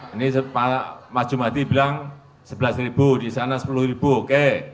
ini mas jum'ati bilang rp sebelas di sana rp sepuluh oke